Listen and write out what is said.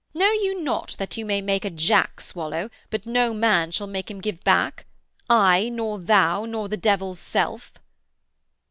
Know you not that you may make a jack swallow, but no man shall make him give back; I, nor thou, nor the devil's self?'